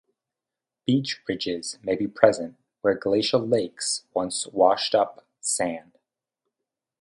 Beach ridges may be present where glacial lakes once washed up sand.